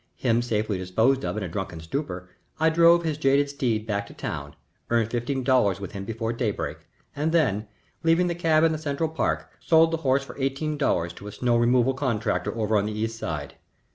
Him safely disposed of in a drunken stupor, I drove his jaded steed back to town, earned fifteen dollars with him before daybreak, and then, leaving the cab in the Central Park, sold the horse for eighteen dollars to a snow removal contractor over on the East Side.